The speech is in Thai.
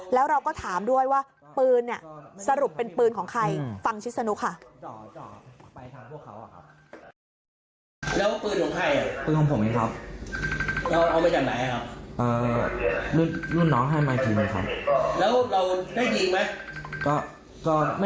แล้วเราก็ถามด้วยว่าปืนเนี่ยสรุปเป็นปืนของใครฟังชิสนุค่ะ